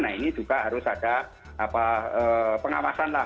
nah ini juga harus ada pengawasan lah